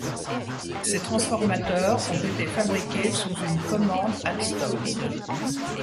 Ces transformateurs ont été fabriqués sous une commande Alstom.